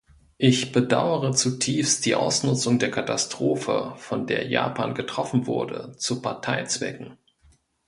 Ich bedauere zutiefst die Ausnutzung der Katastrophe, von der Japan getroffen wurde, zu Parteizwecken.